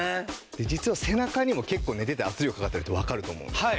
実は背中にも結構寝てて圧力かかってるってわかると思うんです。